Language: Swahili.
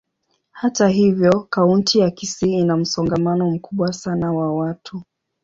Hata hivyo, kaunti ya Kisii ina msongamano mkubwa sana wa watu.